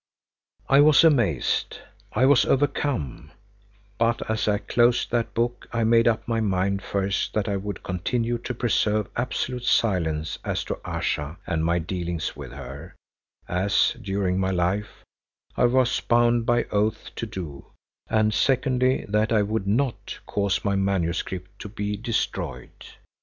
I was amazed, I was overcome, but as I closed that book I made up my mind, first that I would continue to preserve absolute silence as to Ayesha and my dealings with her, as, during my life, I was bound by oath to do, and secondly that I would not cause my manuscript to be destroyed.